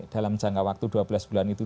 dalam jangka waktu dua belas bulan itu